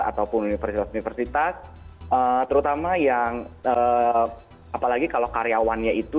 ataupun universitas universitas terutama yang apalagi kalau karyawannya itu